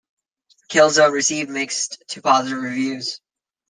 "Killzone" received mixed to positive reviews.